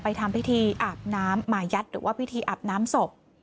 ทำพิธีอาบน้ำมายัดหรือว่าพิธีอาบน้ำศพ